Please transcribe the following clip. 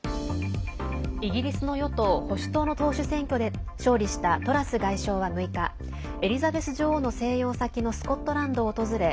イギリスの与党、保守党の党首選挙で勝利したトラス外相は６日エリザベス女王の静養先のスコットランドを訪れ